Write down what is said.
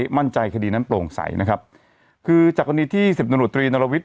มั่นใจคดีนั้นโปร่งใสนะครับคือจากกรณีที่สิบตำรวจตรีนรวิทย